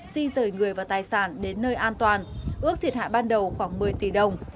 di rời người và tài sản đến nơi an toàn ước thiệt hại ban đầu khoảng một mươi tỷ đồng